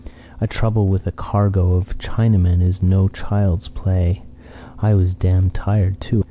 A trouble with a cargo of Chinamen is no child's play. I was dam' tired, too.